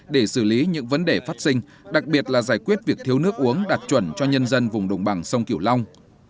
để xử lý những vấn đề phát sinh đặc biệt là giải quyết việc thiếu nước uống đạt chuẩn cho nhân dân vùng đồng bằng sông kiểu long